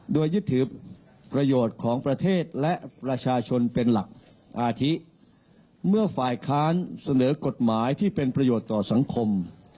โดยยึดถือประโยชน์ของประเทศและประชาชนเป็นหลักอาทิเมื่อฝ่ายค้านเสนอกฎหมายที่เป็นประโยชน์ต่อสังคม